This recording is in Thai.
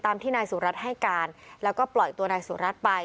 ตามที่นายสู่รัฐให้การแล้วก็ปล่อยตัวนายสู่รัฐไป